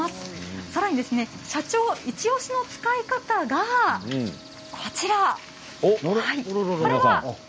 さらに社長イチおしの使い方がこちら。